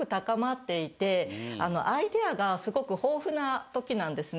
アイデアがすごく豊富な時なんですね。